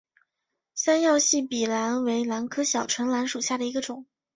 三药细笔兰为兰科小唇兰属下的一个种。